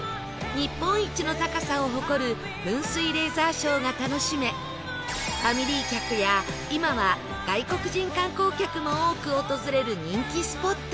日本一の高さを誇る噴水レーザーショーが楽しめファミリー客や今は外国人観光客も多く訪れる人気スポット